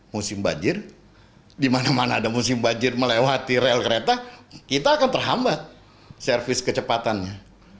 musim banjir di mana mana ada musim banjir melewati rel kereta kita akan terhambat servis kecepatannya